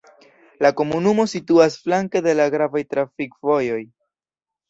La komunumo situas flanke de la gravaj trafikvojoj.